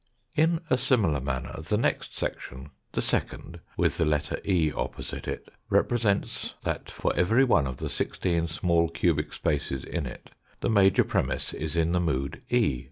In a similar manner the next section, the second with the letter E opposite it, represents that for every one of the sixteen small cubic spaces in it, the major premiss is in the mood E.